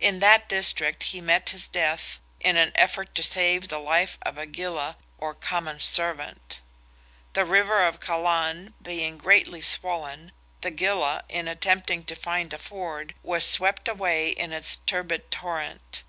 In that district he met his death in an effort to save the life of a gilla, or common servant. The river of Callan being greatly swollen, the gilla, in attempting to find a ford, was swept away in its turbid torrent.